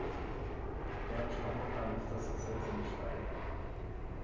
Erich Honecker ließ das Gesetz umschreiben.